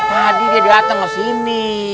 tadi dia datang ke sini